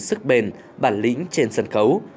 sức bền bản lĩnh trên sân khấu